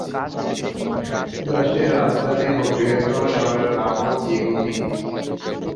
দেশটির রাজধানী ও বৃহত্তম শহরের নামও জিবুতি।